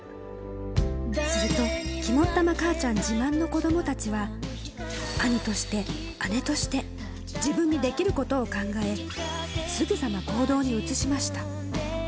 すると、肝っ玉母ちゃん自慢の子どもたちは、兄として、姉として、自分にできることを考え、すぐさま行動に移しました。